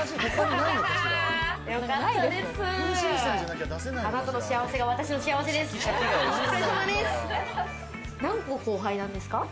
なんこ後輩なんですか。